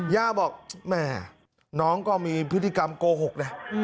ย่าบอกแม่น้องก็มีพฤติกรรมโกหกนะ